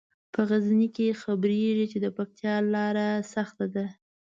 په غزني کې خبریږي چې د پکتیا لیاره سخته ده.